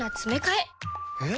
えっ？